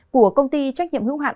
của công ty trách nhiệm hữu hạn